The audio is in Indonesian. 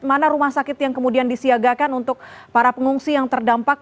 mana rumah sakit yang kemudian disiagakan untuk para pengungsi yang terdampak